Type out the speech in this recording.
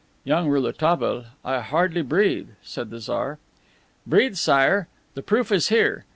"Young Rouletabille, I hardly breathe," said the Tsar. "Breathe, Sire. The proof is here.